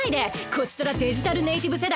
こちとらデジタルネイティブ世代。